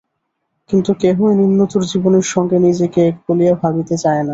কিন্তু কেহই নিম্নতর জীবনের সঙ্গে নিজেকে এক বলিয়া ভাবিতে চায় না।